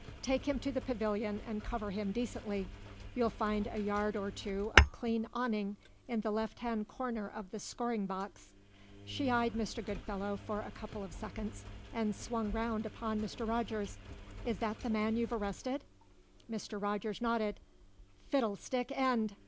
"Take him to the pavilion and cover him decently. You'll find a yard or two of clean awning in the left hand corner of the scoring box." She eyed Mr. Goodfellow for a couple of seconds and swung round upon Mr. Rogers. "Is that the man you've arrested?" Mr. Rogers nodded. "Fiddlestick end!"